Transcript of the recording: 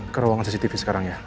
ke ruangan cctv sekarang ya